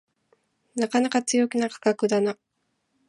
なかなか強気な価格だな